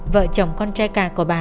vợ chồng con trai cả của bà